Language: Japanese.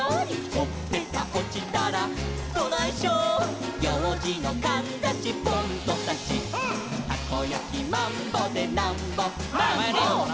「ほっぺたおちたらどないしょー」「ようじのかんざしポンとさし」「たこやきマンボでなんぼマンボ」「マヨネーズもな！」